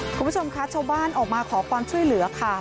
คุณผู้ชมคะชาวบ้านออกมาขอความช่วยเหลือค่ะ